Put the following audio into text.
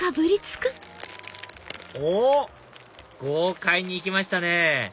おっ豪快にいきましたね！